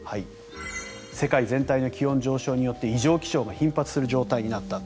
世界全体の気温上昇によって異常気象が頻発する状態になったと。